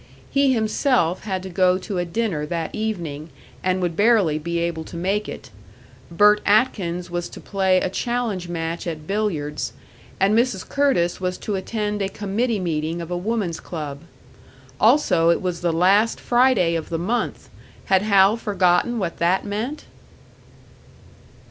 He himself had to go to a dinner that evening, and would barely be able to make it. Bert Atkins was to play a challenge match at billiards, and Mrs. Curtis was to attend a committee meeting of a woman's club. Also it was the last Friday of the month; had Hal forgotten what that meant?